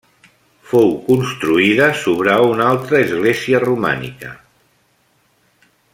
Fou construïda sobre una altra església, romànica.